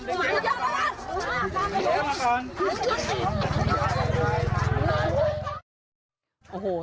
เดี๋ยวมึงต้องเอาเลือดต่าง